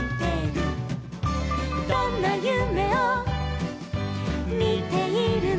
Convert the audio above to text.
「どんなゆめをみているの」